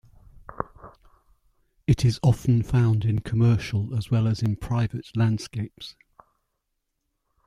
It is often found in commercial as well as in private landscapes.